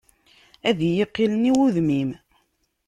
Ad yi-qilen, i wudem-im.